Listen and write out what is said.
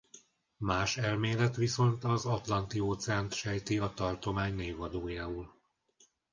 Más elmélet viszont az Atlanti-óceánt sejti a tartomány névadójául.